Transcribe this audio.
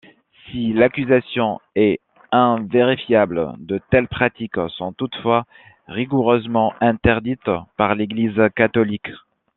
Si l'accusation est invérifiable, de telles pratiques sont toutefois rigoureusement interdites par l'Église catholique.